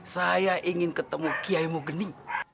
saya ingin ketemu kiai mugening